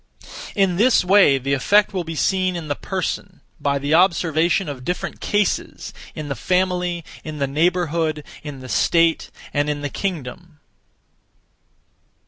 In this way the effect will be seen in the person, by the observation of different cases; in the family; in the neighbourhood; in the state; and in the kingdom.